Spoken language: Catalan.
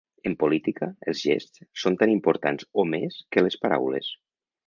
En política, els gests són tan importants o més que les paraules.